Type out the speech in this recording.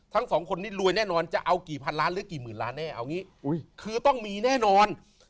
ทั้งสองคนนี้รวยแน่นอนจะเอากี่พันล้านหรือกี่หมื่นล้านแน่เอางี้คือต้องมีแน่นอน